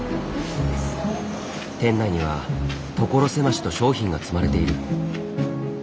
店内には所狭しと商品が積まれている。